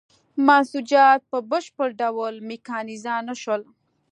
منسوجات په بشپړ ډول میکانیزه نه شول.